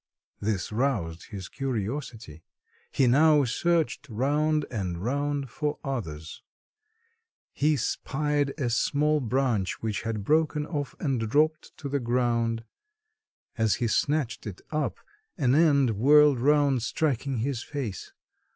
This roused his curiosity. He now searched round and round for others. He spied a small branch which had broken off and dropped to the ground. As he snatched it up an end whirled round, striking his face.